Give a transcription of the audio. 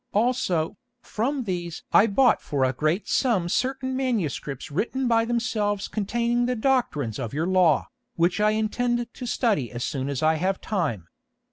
Also, from these I bought for a great sum certain manuscripts written by themselves containing the doctrines of your law, which I intend to study so soon as I have time.